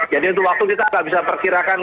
untuk waktu kita nggak bisa perkirakan